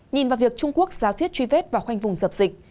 nhìn vào việc trung quốc giáo riết truy vết vào khoanh vùng dập dịch